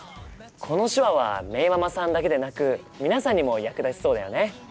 この手話はめいママさんだけでなく皆さんにも役立ちそうだよね。